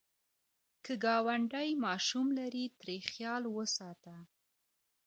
که ګاونډی ماشوم لري، ترې خیال وساته